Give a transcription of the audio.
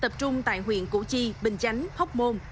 tập trung tại huyện củ chi bình chánh hóc môn